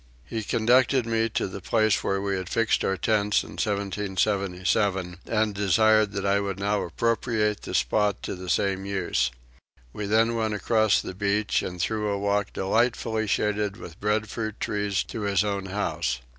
He conducted me to the place where we had fixed our tents in 1777 and desired that I would now appropriate the spot to the same use. We then went across the beach and through a walk delightfully shaded with breadfruit trees to his own house.